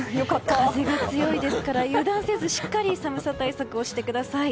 風が強いですから油断せずしっかり寒さ対策をしてください。